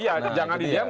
iya jangan didiam